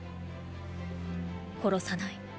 殺さない。